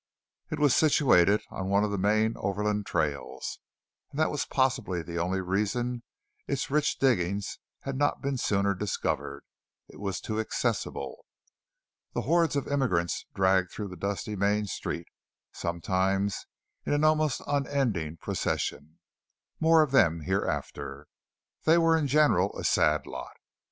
It was situated on one of the main overland trails, and that was possibly the only reason its rich diggings had not been sooner discovered it was too accessible! The hordes of immigrants dragged through the dusty main street, sometimes in an almost unending procession. More of them hereafter; they were in general a sad lot.